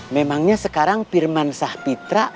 memangnya sekarang pirman sah fitra